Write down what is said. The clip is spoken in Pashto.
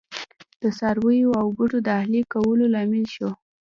د څارویو او بوټو د اهلي کولو لامل شو.